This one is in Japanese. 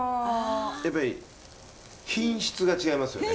やっぱり品質が違いますよね。